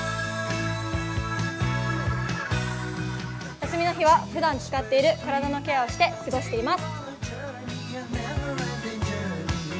休みの日はふだん使っている体のケアをしています。